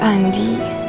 oh ternyata andi